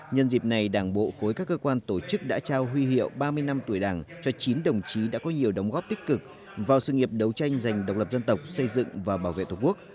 nhân dịp này đảng bộ khối các cơ quan tổ chức đã trao huy hiệu ba mươi năm tuổi đảng cho chín đồng chí đã có nhiều đóng góp tích cực vào sự nghiệp đấu tranh giành độc lập dân tộc xây dựng và bảo vệ tổ quốc